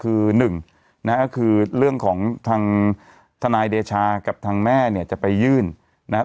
คือหนึ่งนะฮะก็คือเรื่องของทางทนายเดชากับทางแม่เนี่ยจะไปยื่นนะครับ